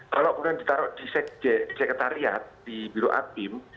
kalau bukan ditaruh di sekretariat di biroatim